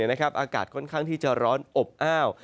อากาศค่อนข้างที่จะร้อนอบอ้าว